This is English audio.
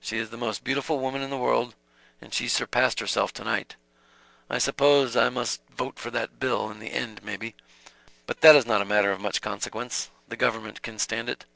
She is the most beautiful woman in the world; and she surpassed herself to night. I suppose I must vote for that bill, in the end maybe; but that is not a matter of much consequence the government can stand it.